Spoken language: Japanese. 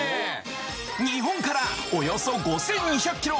日本からおよそ５，２００ｋｍ。